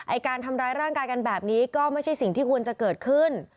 การทำร้ายร่างกายกันแบบนี้ก็ไม่ใช่สิ่งที่ควรจะเกิดขึ้น